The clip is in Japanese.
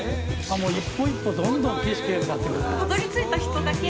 もう一歩一歩どんどん景色がよくなってくる。